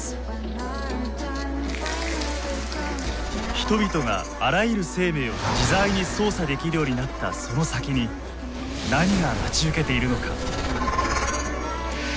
人々があらゆる生命を自在に操作できるようになったその先に何が待ち受けているのか。